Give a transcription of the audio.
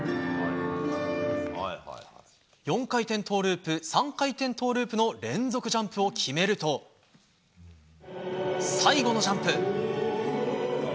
４回転トウループ３回転トウループの連続ジャンプを決めると最後のジャンプ。